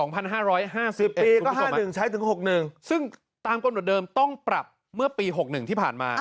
ปี๕๕ปีก็๕๑ใช้ถึง๖๑ซึ่งตามกำหนดเดิมต้องปรับเมื่อปี๖๑ที่ผ่านมา